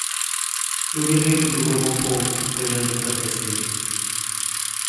Eu me lembro do vovô Paul olhando através dele.